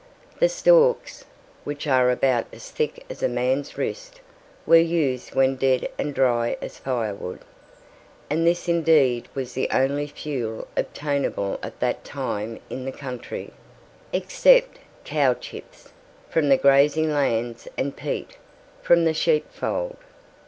The stalks, which are about as thick as a man's wrist, were used when dead and dry as firewood; and this indeed was the only fuel obtainable at that time in the country, except "cow chips," from the grazing lands and "peat" from the sheepfold.